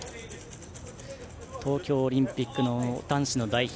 東京オリンピックの男子の代表